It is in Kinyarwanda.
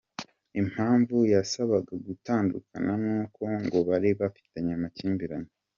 Impamvu yasabaga gutandukana n’uko ngo bari bafitanye amakimbirane.